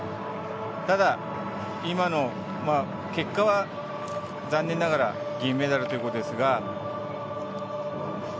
ただ、結果は残念ながら銀メダルということですが。